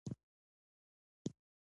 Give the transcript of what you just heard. بد حالت تېرېدونکى دئ؛ توري شپې رؤڼا کېږي.